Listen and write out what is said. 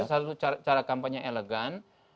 salah satu cara kampanye elegan